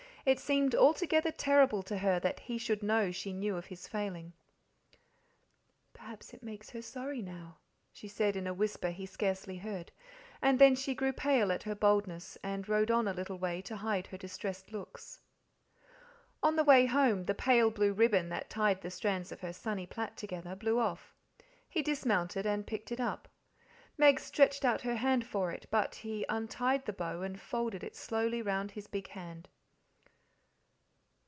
It seemed altogether terrible to her that he should know she knew of his failing. "Perhaps it makes her sorry now," she said in a whisper he scarcely heard, and then she grew pale at her boldness, and rode on a little way to hide her distressed looks. On the way home the pale blue ribbon, that tied the strands of her sunny plait together, blew off. He dismounted and picked it up. Meg stretched out her hand for it, but he untied the bow and folded it slowly round his big hand.